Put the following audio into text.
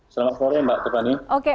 selamat sore mbak tufani